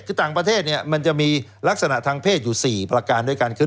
คือต่างประเทศเนี่ยมันจะมีลักษณะทางเพศอยู่๔ประการด้วยกันคือ